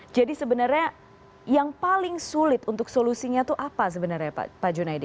jadi sebenarnya yang paling sulit untuk solusinya itu apa sebenarnya pak junaidi